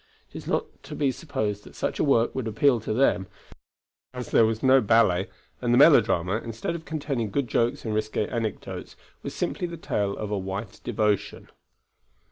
It is not to be supposed that such a work would appeal to them, as there was no ballet, and the melodrama, instead of containing good jokes and risque anecdotes, was simply the tale of a wife's devotion.